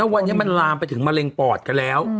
วันนี้มันลามไปถึงมะเร็งปอดกันแล้ว